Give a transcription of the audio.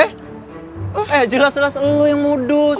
eh jelas jelas lo yang mau dus